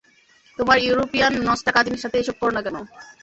তোমার ইউরোপীয়ান নষ্টা কাজিনের সাথে এসব করোনা কেন?